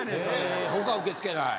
え他受け付けない。